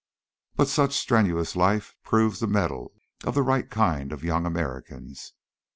But such strenuous life proves the mettle of the right kind of young Americans.